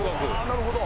なるほど！